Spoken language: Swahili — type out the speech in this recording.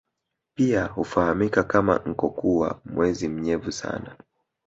Pia hufahamika kama Nkokua mwezi mnyevu sana